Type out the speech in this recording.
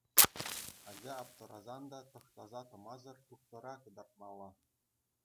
Ача аптӑрасан та тӑхтаса тӑмасӑр тухтӑра кӑтартмалла.